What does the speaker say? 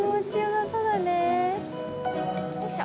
よいしょ。